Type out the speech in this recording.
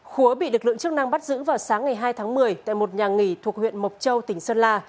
khố bị lực lượng chức năng bắt giữ vào sáng ngày hai tháng một mươi tại một nhà nghỉ thuộc huyện mộc châu tỉnh sơn la